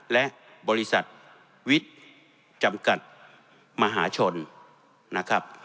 และบริษัทวิทย์จำกัดมหาชนนะครับ